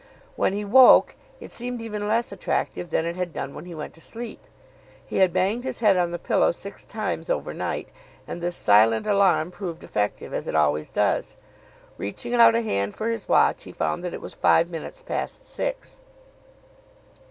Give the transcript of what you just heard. When he woke it seemed even less attractive than it had done when he went to sleep. He had banged his head on the pillow six times over night, and this silent alarm proved effective, as it always does. Reaching out a hand for his watch, he found that it was five minutes past six.